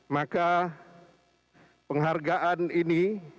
maka penghargaan ini